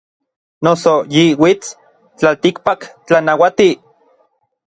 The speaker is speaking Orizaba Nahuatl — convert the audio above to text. Noso yi uits n tlaltikpak tlanauatij.